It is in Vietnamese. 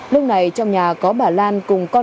lúc này trong nhà có bà lan cùng con